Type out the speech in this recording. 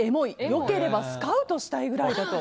良ければスカウトしたいぐらいだと。